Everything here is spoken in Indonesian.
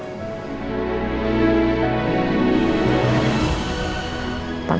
tentu sama aja